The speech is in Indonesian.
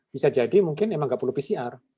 bisa jadi mungkin memang tidak perlu pcr